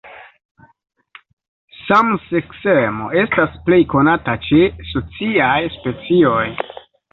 Samseksemo estas plej konata ĉe sociaj specioj.